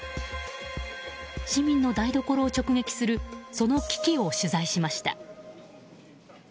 市民の台所を直撃するその危機を取材しました。